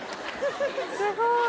すごい！